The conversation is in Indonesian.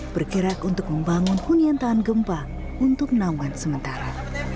berkira untuk membangun hunian tahan gempa untuk menawan sementara